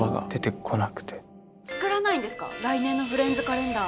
作らないんですか来年のフレンズカレンダー。